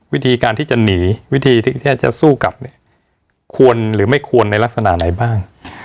วิธีการที่จะหนีวิธีที่จะสู้กลับเนี่ยควรหรือไม่ควรในลักษณะไหนบ้าง